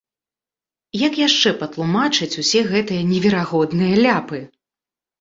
Як яшчэ патлумачыць усе гэтыя неверагодныя ляпы?